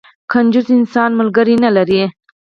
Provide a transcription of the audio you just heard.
کنجوس انسان، ملګری نه لري.